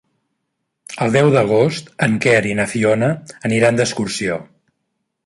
El deu d'agost en Quer i na Fiona aniran d'excursió.